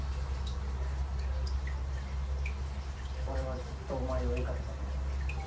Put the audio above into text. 俺はずっとお前を追いかけたい。